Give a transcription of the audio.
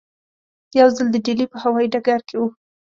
یو ځل د ډیلي په هوایي ډګر کې وو.